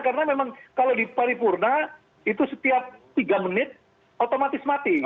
karena memang kalau di paripurna itu setiap tiga menit otomatis mati